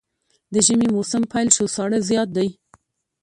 د ژمي موسم پيل شو ساړه زيات دی